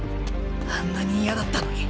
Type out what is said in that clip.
あんなに嫌だったのに。